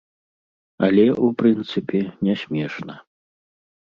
Але, у прынцыпе, не смешна.